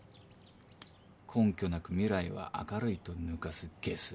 根拠なく未来は明るいと抜かすゲス。